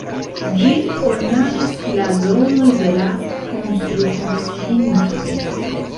Ĝin ornamis blazonoj de la konstrukomisiintoj.